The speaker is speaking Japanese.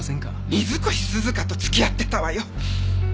水越涼香と付き合ってたわよ。